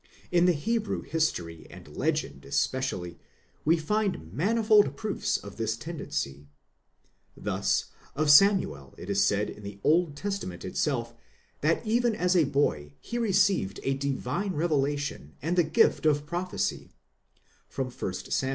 In the Hebrew history and legend especially, we find manifold proofs of this tendency. Thus of Samuel it is said in the old Testament itself, that even as a boy he received a divine revelation and the gift of prophecy (1 Sam.